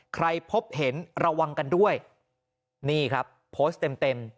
พบเห็นระวังกันด้วยนี่ครับโพสต์เต็มเต็ม